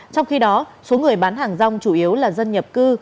trong khi đó số người bán hàng rong chủ yếu là dân nhập cư